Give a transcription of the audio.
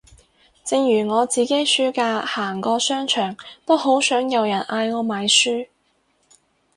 正如我自己暑假行過商場都好想有人嗌我買書